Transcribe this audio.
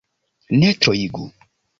Ne troigu.